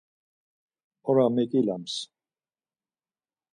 Ora meǩilams.